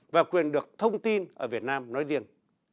và quyền được thông tin ở việt nam nói riêng